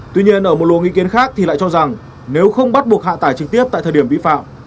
tuy nhiên ở một luồng ý kiến khác thì lại cho rằng nếu không bắt buộc hạ tải trực tiếp tại thời điểm vi phạm